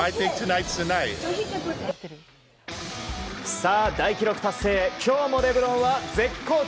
さあ、大記録達成へ今日もレブロンは絶好調。